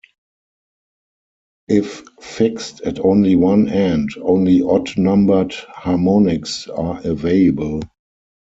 If fixed at only one end, only odd-numbered harmonics are available.